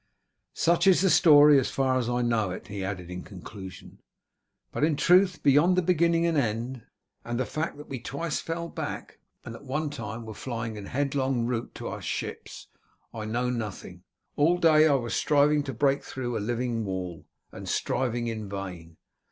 "Such is the story as far as I know it," he added in conclusion, "but in truth beyond the beginning and the end, and the fact that we twice fell back and at one time were flying in headlong rout to our ships, I know nothing. All day I was striving to break through a living wall, and striving in vain.